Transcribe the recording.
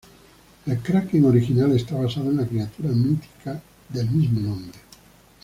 El Kraken original está basado en la criatura mítica del mismo nombre.